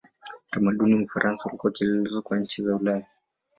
Utamaduni wa Ufaransa ulikuwa kielelezo kwa nchi za Ulaya.